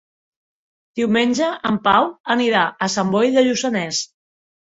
Diumenge en Pau anirà a Sant Boi de Lluçanès.